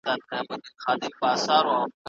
نه پوهیږي زنداني سي